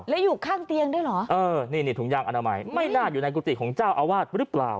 แล้วอยู่ข้างเตียงด้วยเหรอเออนี่นี่ถุงยางอนามัยไม่น่าอยู่ในกุฏิของเจ้าอาวาสหรือเปล่า